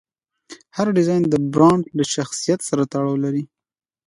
هر ډیزاین د برانډ له شخصیت سره تړاو لري.